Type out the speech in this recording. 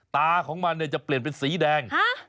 ตาของมันจะเปลี่ยนเป็นสีแดง